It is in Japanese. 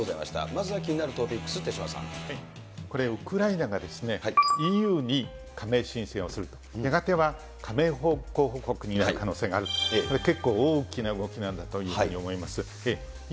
まずは気になるトピックス、これ、ウクライナが、ＥＵに加盟申請をすると、やがては加盟候補国になる可能性があると、これ結構大きな動きなんだというふうに思います。